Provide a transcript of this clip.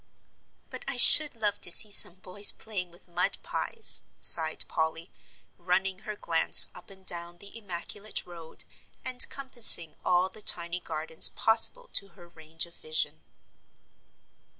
"But I should love to see some boys playing with mud pies," sighed Polly, running her glance up and down the immaculate road, and compassing all the tiny gardens possible to her range of vision.